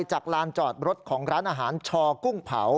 ลานจอดรถของร้านอาหารชอกุ้งเผา